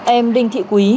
em đinh thị quý